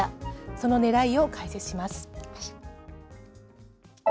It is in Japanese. そのねらいを解説します。